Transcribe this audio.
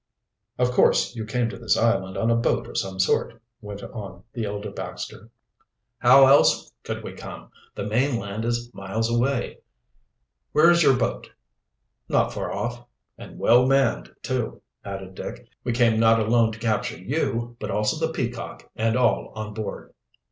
"Of course you came to this island on a boat of some sort," went on the elder Baxter. "How else could we come? The mainland is miles away." "Where is your boat?" "Not far off, and well manned, too," added Dick. "We came not alone to capture you, but also the Peacock and all on board."